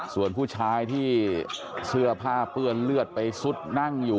ส่วนผู้ชายที่เสื้อผ้าเปื้อนเลือดไปซุดนั่งอยู่